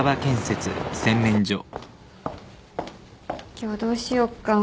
今日どうしよっか。